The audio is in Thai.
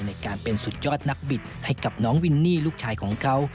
ในการเป็นสุดยอดนักบิดให้กับน้องวินนี่ลูกชายของเขา